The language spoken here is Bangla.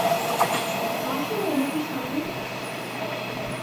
বাঁচাও আমাকে শার্লেট?